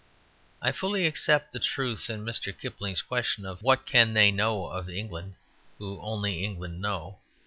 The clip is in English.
I fully accept the truth in Mr. Kipling's question of "What can they know of England who only England know?"